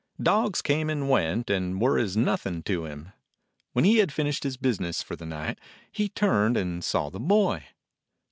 Dogs came and went and were as nothing to him. When he had finished his business for the night, he turned and saw the boy.